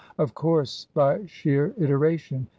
" Of course. By sheer iteration.